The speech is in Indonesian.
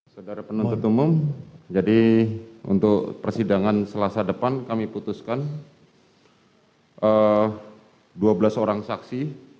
saudara penuntut umum jadi untuk persidangan selasa depan kami putuskan dua belas orang saksi